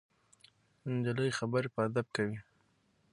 نجلۍ خبرې په ادب کوي.